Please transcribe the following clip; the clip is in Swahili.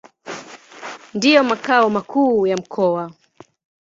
Ndio makao makuu ya mkoa.